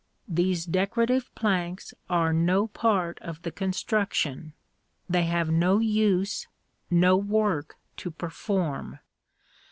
These decorative planks are no part of the construction. They have no use, no work to perform.